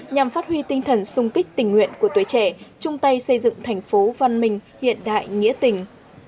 nhằm phát huy tinh thần sung kích tình nguyện của tuổi trẻ chung tay xây dựng thành phố văn minh hiện đại nghĩa tình